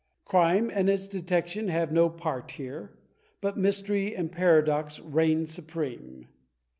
Crime and its detection have no part here, but,m ^tery and ^garadox reign supreme.